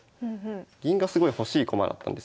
銀がすごい欲しい駒だったんですよね。